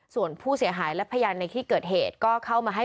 ส่วนผู้เสียหายและพยานในที่เกิดเหตุก็เข้ามาให้